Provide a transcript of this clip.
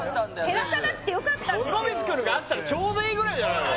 全部もこみちくんのがあったらちょうどいいぐらいじゃないの？